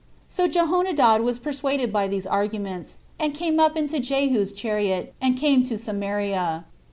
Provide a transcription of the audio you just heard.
So Jehonadab was persuaded by these arguments, and came up into Jehu's chariot, and came to Samaria.